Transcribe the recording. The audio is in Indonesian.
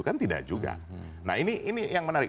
kan tidak juga nah ini yang menarik